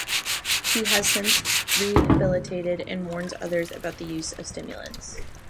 He has since rehabilitated and warns others about the use of stimulants.